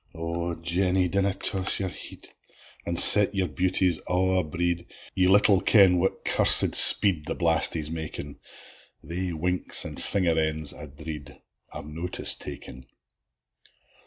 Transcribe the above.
O Jeany, dinna toss your head, An' set your beauties a' abread! Ye little ken what cursed speed The blastie's makin: Thae winks an' finger ends, I dread, Are notice takin.